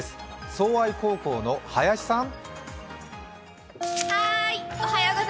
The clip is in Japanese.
相愛高校の林さん。